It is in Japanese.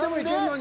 「に」